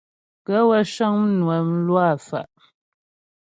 Gaə̂ wə́ cə́ŋ mnwə mlwâ fá'.